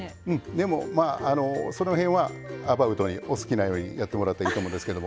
でもまあその辺はアバウトにお好きなようにやってもらっていいと思うんですけども。